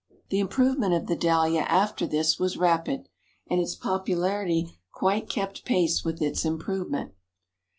The improvement of the Dahlia after this was rapid, and its popularity quite kept pace with its improvement.